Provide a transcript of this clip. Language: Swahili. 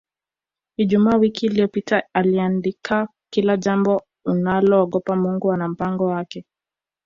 Ijumaa wiki iliyopita aliandika Kila jambo unaloogopa Mungu ana mpango wake